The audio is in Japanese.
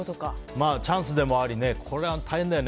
チャンスでもありこれは大変だよね。